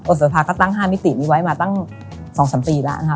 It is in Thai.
สภาก็ตั้ง๕มิตินี้ไว้มาตั้ง๒๓ปีแล้วนะคะ